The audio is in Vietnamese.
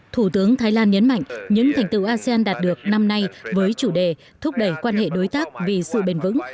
thủ tướng thái lan nhấn mạnh những thành tựu asean đạt được năm nay với chủ đề thúc đẩy quan hệ đối tác vì sự bền vững